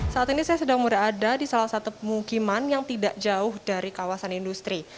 saat ini saya sedang berada di salah satu pemukiman yang tidak jauh dari kawasan industri